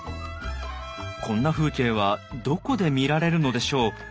こんな風景はどこで見られるのでしょう？